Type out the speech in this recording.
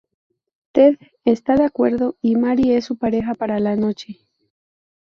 Ted está de acuerdo, y Mary es su pareja para la noche.